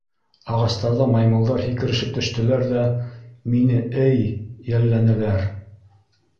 Ағастарҙан маймылдар һикерешеп төштөләр ҙә мине, эй, йәлләнеләр.